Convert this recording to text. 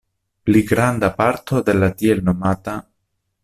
Pli granda parto de la tn.